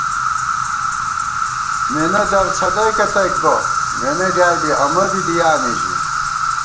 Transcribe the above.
مېنہ در څھدَئیکہ تئیک بہ، مېنہ ڈیائے بی امہ بی دِیانےژِی